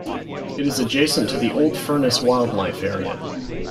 It is adjacent to the Old Furnace Wildlife Area.